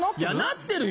なってるよ！